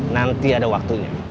nanti ada waktunya